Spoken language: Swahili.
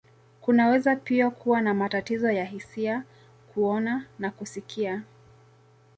Kunaweza pia kuwa na matatizo ya hisia, kuona, na kusikia.